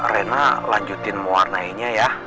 rena lanjutin muarnainya ya